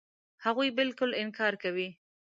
هغوی بالکل انکار کوي.